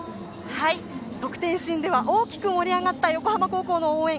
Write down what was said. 得点シーンでは大きく盛り上がった横浜高校の応援。